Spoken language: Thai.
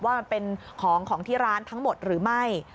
ว่ามันเป็นของของที่ร้านทั้งหมดหรือไม่